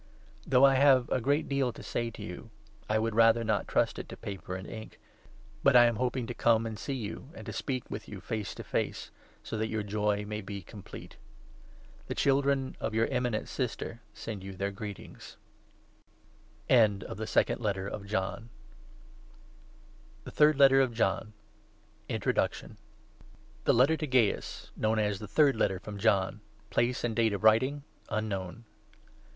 Though I have a great deal to say to you, I would rather 12 not trust it to paper and ink, but I am hoping to come and see you, and to speak with you face to face, so that your joy may be complete. The children of your eminent sister send 13 you their greetings. FROM JOHN III. THE LETTER TO GAIUS. (KNOWN AS 'THE THIRD LETTER FROM JOHN'). [PLACE AND DATE OF WRITING UNKNOWN.